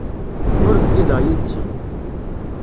Ur bdideɣ yid-sen.